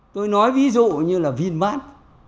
tôi nói ví dụ như là vinmart